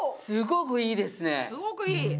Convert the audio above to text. すごくいい！